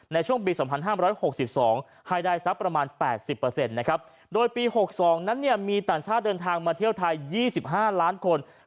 ในช่วงปี๒๕๖๒ให้ได้สักประมาณ๘๐นะครับโดยปี๖๒นั้นมีต่างชาติเดินทางมาเที่ยวไทย๒๕ล้านคน